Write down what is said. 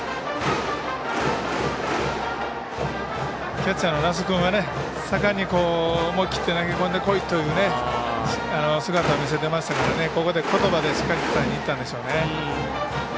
キャッチャーの奈須君は盛んに思い切って投げ込んでこいという姿を見せていましたからここでことばでしっかり伝えにいったんでしょうね。